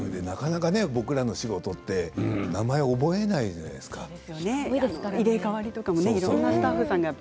なかなか僕らの仕事って名前を覚えないじゃないですか。